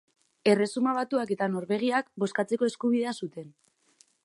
Erresuma Batuak eta Norvegiak bozkatzeko eskubidea zuten.